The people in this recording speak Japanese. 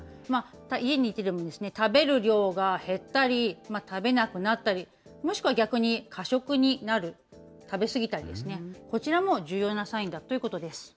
家にいてでも食べる量が減ったり、食べなくなったり、もしくは逆に過食になる、食べ過ぎたりですね、こちらも重要なサインだということです。